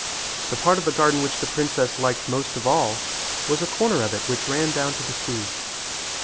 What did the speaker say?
The part of the garden which the princess liked most of all was a corner of it which ran down to the sea.